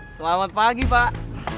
selamat pagi pak